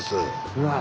うわ。